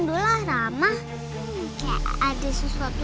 aduh gehang sisi